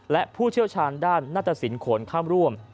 และผู้เชี่ยวชาญด้านหน้าตสินโขนข้ามร่วม